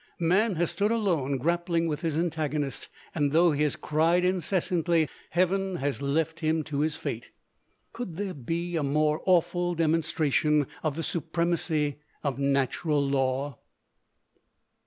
Man has stood alone, grappling with his antagonist; and though he has cried incessantly, heaven has left him to his fate. Could there be a more awful demonstration of the supremacy of natural law?